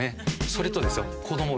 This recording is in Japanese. それとですよ。